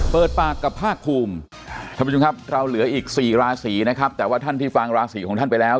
เปิดปากกับภาคภูมิท่านผู้ชมครับเราเหลืออีก๔ราศีนะครับแต่ว่าท่านที่ฟังราศีของท่านไปแล้ว